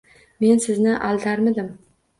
— Men sizni aldarmidim.